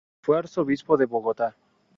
Fue Arzobispo de Bogotá.